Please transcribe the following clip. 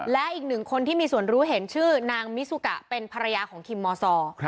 และอีกหนึ่งคนที่มีส่วนรู้เห็นชื่อนางมิซุกะเป็นภรรยาของคิมมซอร์